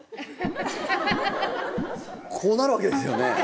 こうなるわけですよね？